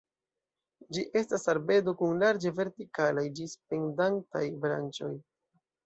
Ĝi estas arbedo kun larĝe vertikalaj ĝis pendantaj branĉoj.